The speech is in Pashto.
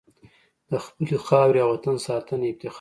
د خپلې خاورې او وطن ساتنه افتخار دی.